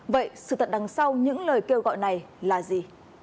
vậy sự tật đằng sau những lời kêu gọi này là gì